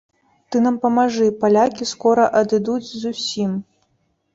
Ты нам памажы, палякі скора адыдуць зусім.